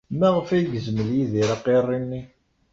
Maɣef ay yezmel Yidir aqirri-nni?